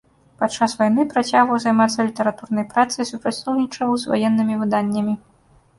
Падчас вайны працягваў займацца літаратурнай працай, супрацоўнічаў з ваеннымі выданнямі.